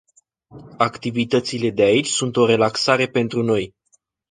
Activitățile de aici sunt o relaxare pentru noi.